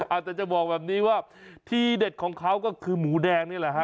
อาจจะจะบอกแบบนี้ว่าที่เด็ดของเขาก็คือหมูแดงนี่แหละฮะ